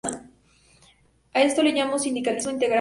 A esto lo llamó "sindicalismo integral".